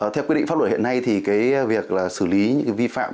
theo quy định pháp luật hiện nay thì việc xử lý những vi phạm